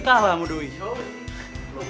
kalo gak mau duit